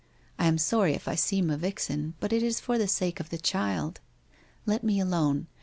I am sorry if I seem a vixen, but it is for the sake of the child. Let me alone.